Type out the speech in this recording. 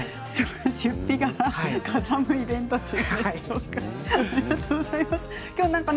出費がかさむイベントですね。